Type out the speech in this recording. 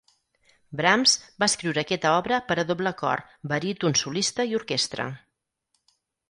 Brahms va escriure aquesta obra per a doble cor, baríton solista i orquestra.